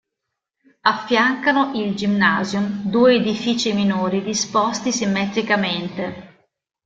Affiancano il Gymnasium due edifici minori disposti simmetricamente.